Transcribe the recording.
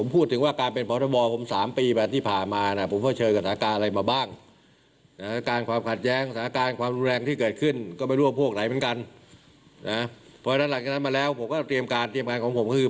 เพราะฉะนั้นมาแล้วผมก็ต้องเตรียมการเตรียมการของผมคือ